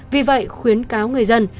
vì vậy khuyến cáo người dân